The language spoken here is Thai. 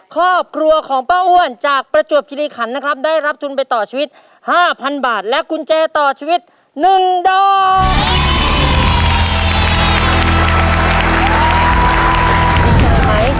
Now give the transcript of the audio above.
ครอบครัวของป้าอ้วนจากประจวบคิริขันนะครับได้รับทุนไปต่อชีวิต๕๐๐๐บาทและกุญแจต่อชีวิต๑ดอก